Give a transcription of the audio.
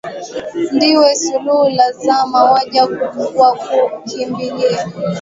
Ndiwe suluhu la zama, waja wakukimbilia,